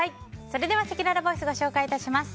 それではせきららボイスご紹介致します。